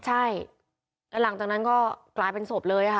ใช่แล้วหลังจากนั้นก็กลายเป็นศพเลยค่ะ